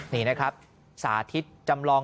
นี่นะครับสาธิตจำลอง